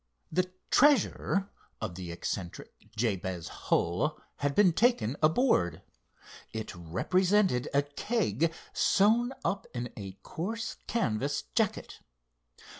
The "treasure" of the eccentric Jabez Hull had been taken aboard. It represented a keg sewn up in a coarse canvas jacket.